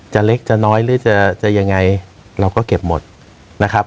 เล็กจะน้อยหรือจะจะยังไงเราก็เก็บหมดนะครับ